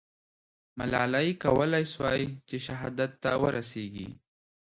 ملالۍ کولای سوای چې شهادت ته ورسېږي.